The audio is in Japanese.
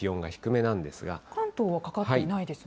関東はかかっていないですね。